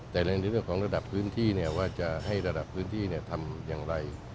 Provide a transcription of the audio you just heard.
แต่ในเรื่องของระดับพื้นที่ว่าจะให้ระดับพื้นที่ทำอย่างไร